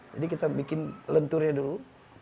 jadi kita bikin lenturnya dulu